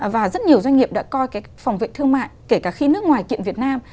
và rất nhiều doanh nghiệp đã coi cái phòng vệ thương mại kể cả khi nước ngoài kiện việt nam